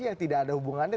yang tidak ada hubungannya